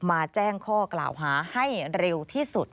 มาแจ้งข้อกล่าวหาให้เร็วที่สุด